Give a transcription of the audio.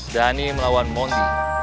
dhani melawan monty